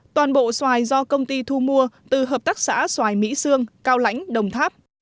toàn bộ xoài do công ty thu mua từ hợp tác xã xoài mỹ sương cao lãnh đồng tháp